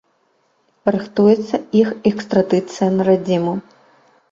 Рыхтуецца іх экстрадыцыя на радзіму.